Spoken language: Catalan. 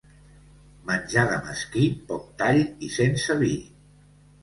Menjar de mesquí, poc tall i sense vi.